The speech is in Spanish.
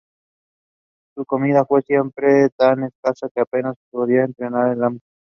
Su comida fue siempre tan escasa, que apenas se podía entretener el hambre.